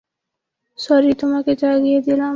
Sorry, তোমাকে জাগিয়ে দিলাম।